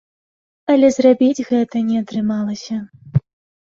Але зрабіць гэта не атрымалася.